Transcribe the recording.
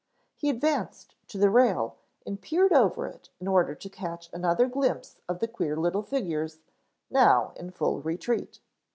He advanced to the rail and peered over it in order to catch another glimpse of the queer little figures now in full retreat.